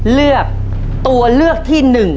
เลือกตัวเลือกที่๑